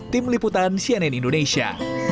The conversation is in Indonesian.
tim liputan cnn indonesia